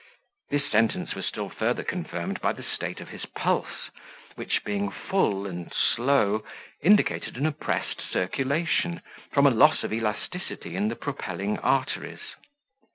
This sentence was still farther confirmed by the state of his pulse, which, being full and slow, indicated an oppressed circulation, from a loss of elasticity in the propelling arteries.